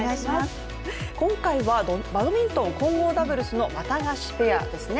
今回はバドミントン混合ダブルスのワタガシペアですね。